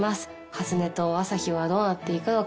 初音と朝陽はどうなっていくのか。